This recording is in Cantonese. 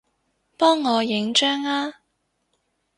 幫我影張吖